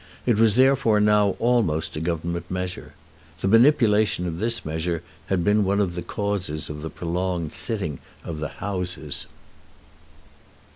It was therefore now almost a Government measure. The manipulation of this measure had been one of the causes of the prolonged sitting of the Houses.